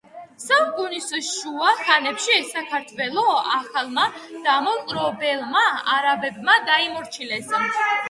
საუკუნის შუა ხანებში საქართველო ახალმა დამპყრობლებმა არაბებმა დაიმორჩილეს.